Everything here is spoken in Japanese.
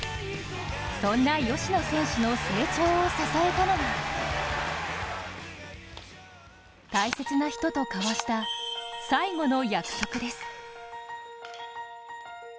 そんな吉野選手の成長を支えたのが大切な人と交わした最後の約束です。